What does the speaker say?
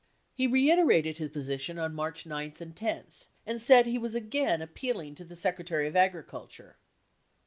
55 He re iterated his position on March 9 and 10, and said he was again appeal ing to the Secretary of Agriculture.